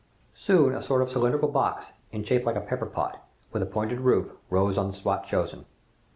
Soon a sort of cylindrical box, in shape like a pepper pot, with a pointed roof, rose on the spot chosen.